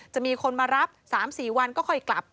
จะมีคนมารับ๓๔วันก็ค่อยกลับ